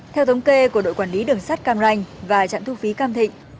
theo thống kê của đội quản lý đường sắt cam ranh và trạm thu phí cam thịnh